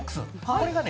これがね